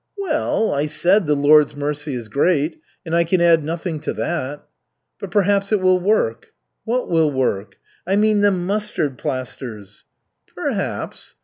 "Well, I said, 'The Lord's mercy is great,' and I can add nothing to that." "But perhaps it will work?" "What will work?" "I mean the mustard plasters." "Perhaps."